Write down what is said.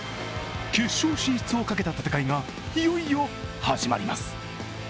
決勝進出をかけた戦いがいよいよ始まります。